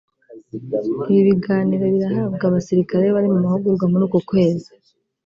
Ibi biganiro birahabwa abasirikare bari mu mahugurwa muri uku kwezi